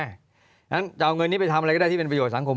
เพราะฉะนั้นจะเอาเงินนี้ไปทำอะไรก็ได้ที่เป็นประโยชนสังคม